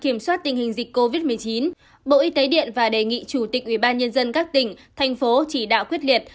để kiểm soát tình hình dịch covid một mươi chín bộ y tế điện và đề nghị chủ tịch ubnd các tỉnh thành phố chỉ đạo quyết liệt